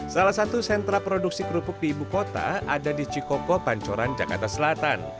salah satu sentra produksi kerupuk di ibu kota ada di cikoko pancoran jakarta selatan